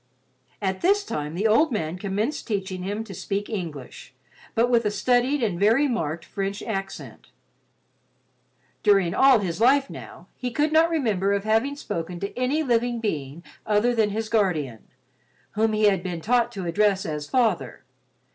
At this time the old man commenced teaching him to speak English, but with a studied and very marked French accent. During all his life now, he could not remember of having spoken to any living being other than his guardian, whom he had been taught to address as father.